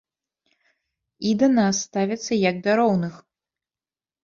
І да нас ставяцца як да роўных.